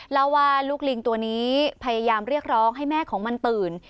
เล่าว่าลูกลิงตัวนี้พยายามเรียกร้องให้แม่ของมันตื่น